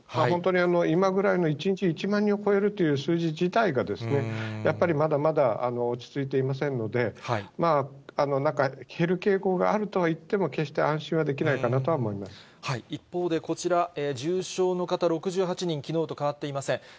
本当に今ぐらいの１日１万人を超えるという数字自体がですね、やっぱりまだまだ、落ち着いていませんので、なんか減る傾向があるとはいっても、決して安心はできないかなと一方で、こちら、重症の方６８人、きのうと変わっていません。